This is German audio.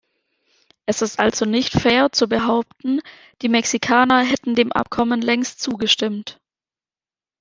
Es ist also nicht fair zu behaupten, die Mexikaner hätten dem Abkommen längst zugestimmt.